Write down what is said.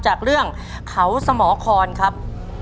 จากเรื่องเขาสมครครับ